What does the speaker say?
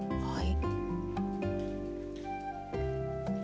はい。